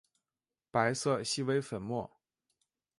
白色微细粉末。